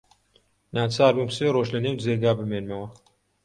ناچار بووم سێ ڕۆژ لەنێو جێگا بمێنمەوە.